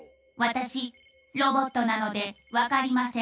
私ロボットなので分かりません。